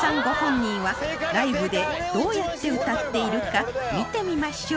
ご本人はライブでどうやって歌っているか見てみましょう